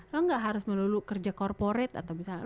lo gak harus melulu kerja corporate atau misalnya